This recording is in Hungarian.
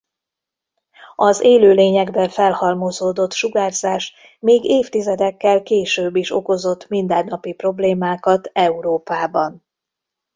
Az élőlényekben felhalmozódott sugárzás még évtizedekkel később is okozott mindennapi problémákat Európában.